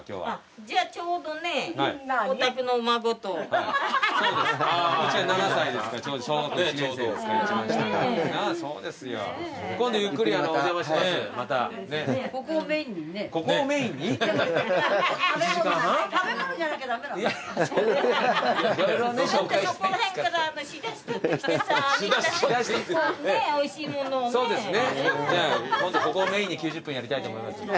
じゃあ今度ここをメインに９０分やりたいと思います。